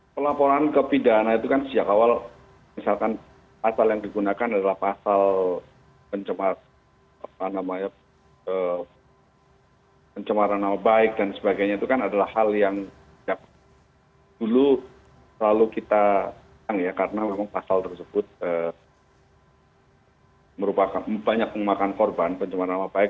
pelaporan ke pidana itu kan sejak awal misalkan pasal yang digunakan adalah pasal pencemaran nama baik dan sebagainya itu kan adalah hal yang dulu selalu kita karena memang pasal tersebut banyak memakan korban pencemaran nama baik